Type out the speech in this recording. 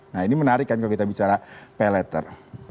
nah ini menarik kan kalau kita bicara pay letter